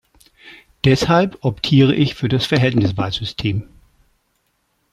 Deshalb optiere ich für das Verhältniswahlsystem.